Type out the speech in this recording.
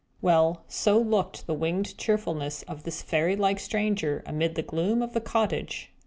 Well, so looked the winged cheerfulness of this fairy like stranger, amid the gloom of the cottage.